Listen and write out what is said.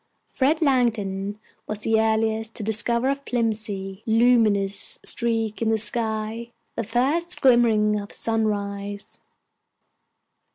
Fred Langdon was the earliest to discover a filmy, luminous streak in the sky, the first glimmering of sunrise.